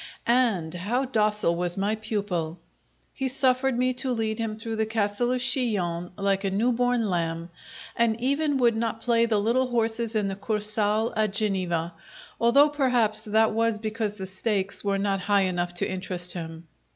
And how docile was my pupil! He suffered me to lead him through the Castle of Chillon like a new born lamb, and even would not play the little horses in the Kursaal at Geneva, although, perhaps, that was because the stakes were not high enough to interest him.